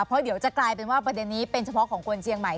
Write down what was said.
เพราะเดี๋ยวจะกลายเป็นว่าประเด็นนี้เป็นเฉพาะของคนเชียงใหม่